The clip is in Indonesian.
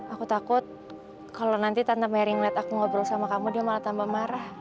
aku takut kalau nanti tante mary melihat aku ngobrol sama kamu dia malah tambah marah